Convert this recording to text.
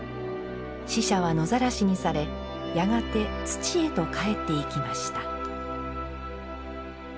死者は野ざらしにされやがて土へと返っていきました。